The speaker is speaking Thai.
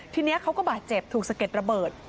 ทีนี้เขาก็บาดเจ็บถูกสะเก็ดระเบิด